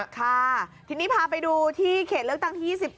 ค่ะทีนี้พาไปดูที่เขตเลือกตั้งที่๒๘